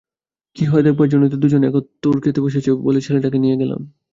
কী হয় দেখবার জন্যেই তো দুজনে একত্তর খেতে বসেছে দেখে ছেলেটাকে নিয়ে গেলাম।